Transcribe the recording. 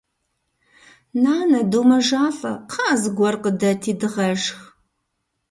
Нанэ, домэжалӏэ, кхъыӏэ, зыгуэр къыдэти дыгъэшх!